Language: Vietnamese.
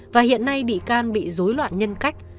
và hiện nay bị can bị dối loạn nhân cách